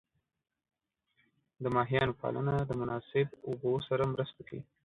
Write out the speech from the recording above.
د ماهیانو پالنه د مناسب اوبو سره مرسته کوي.